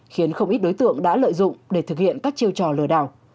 khiến không ít đối tượng đã lợi dụng để thực hiện các chiêu trò lừa đảo